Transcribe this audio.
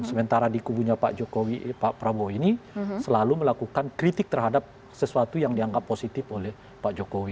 sementara di kubunya pak jokowi pak prabowo ini selalu melakukan kritik terhadap sesuatu yang dianggap positif oleh pak jokowi